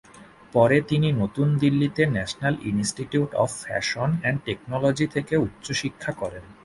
পরে তিনি নতুন দিল্লি তে national institute of fashion and technology থেকে উচ্চ শিক্ষা করেন।